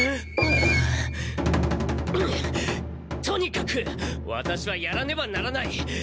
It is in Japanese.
とにかくワタシはやらねばならない！